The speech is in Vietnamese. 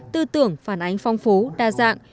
tư tưởng phản ánh phong phú đa dạng